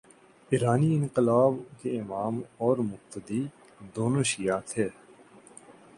ایرانی انقلاب کے امام اور مقتدی، دونوں شیعہ تھے۔